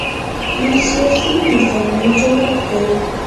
یو سیاسي – نظامي جوړښت دی.